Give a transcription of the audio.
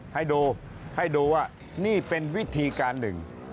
ให้ดูให้ดูว่านี่เป็นวิธีการหนึ่ง